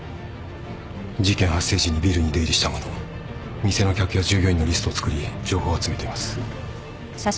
事件発生時にビルに出入りした者店の客や従業員のリストを作り情報を集めています。